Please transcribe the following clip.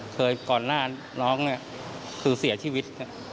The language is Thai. ก่อนหน้าน้องเนี่ยคือเสียชีวิต